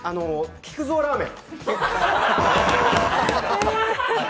木久蔵ラーメン。